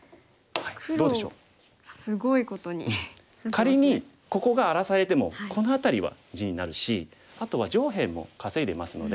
仮にここが荒らされてもこの辺りは地になるしあとは上辺も稼いでますので。